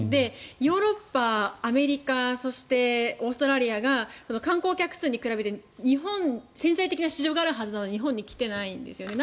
ヨーロッパ、アメリカそしてオーストラリアが観光客数に比べて潜在的な市場があるはずなのに日本に来ていないんですよね。